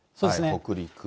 北陸。